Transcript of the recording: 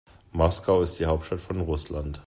Moskau ist die Hauptstadt von Russland.